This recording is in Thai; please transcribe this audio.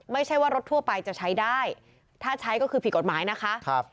ไม่ใช่ว่ารถทั่วไปจะใช้ได้ถ้าใช้ก็คือผิดกฎหมายนะคะ